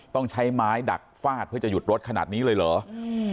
ต้องใช้ไม้ดักฟาดเพื่อจะหยุดรถขนาดนี้เลยเหรออืม